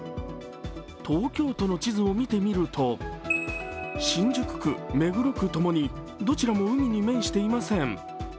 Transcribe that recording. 東京都の地図を見てみると、新宿区目黒区共にどちらも海に面していません。